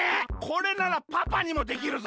これならパパにもできるぞ！